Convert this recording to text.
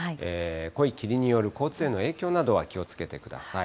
濃い霧による交通への影響などは気をつけてください。